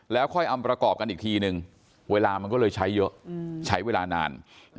แล้วค่อยอำประกอบกันอีกทีนึงเวลามันก็เลยใช้เยอะใช้เวลานาน